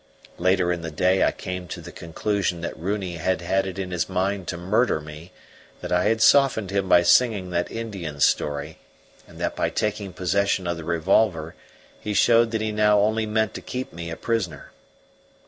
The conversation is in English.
Later in the day I came to the conclusion that Runi had had it in his mind to murder me, that I had softened him by singing that Indian story, and that by taking possession of the revolver he showed that he now only meant to keep me a prisoner.